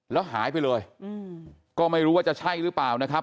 แล้วหายไปเลยก็ไม่รู้ว่าจะใช่หรือเปล่านะครับ